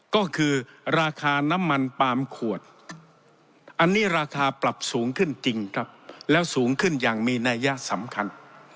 ก็คือราคาน้ำมันปาล์มขวดอันนี้ราคาปรับสูงขึ้นจริงครับแล้วสูงขึ้นอย่างมีนัยยะสำคัญ